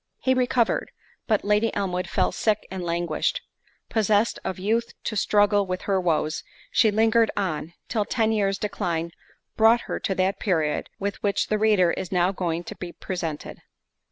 He recovered, but Lady Elmwood fell sick and languished—possessed of youth to struggle with her woes, she lingered on, till ten years decline brought her to that period, with which the reader is now going to be presented.